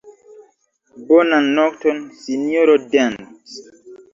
Bonan nokton, sinjoro Dent.